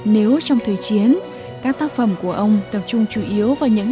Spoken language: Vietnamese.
nếu trong thời chiến các tác phẩm của ông tập trung chủ yếu vào những